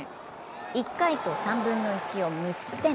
１回と３分の１を無失点。